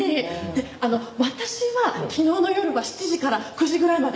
であの私は昨日の夜は７時から９時ぐらいまではここにいました。